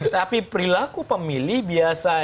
tapi perilaku pemilih biasanya memori yang banyak